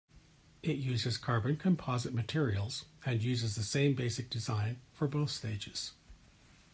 It uses carbon composite materials and uses the same basic design for both stages.